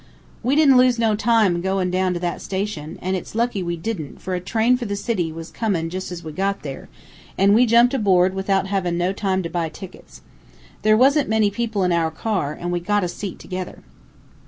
"We didn't lose no time agoin' down to that station, an' it's lucky we didn't, for a train for the city was comin' jus' as we got there, an' we jumped aboard without havin' no time to buy tickets. There wasn't many people in our car, an we got a seat together.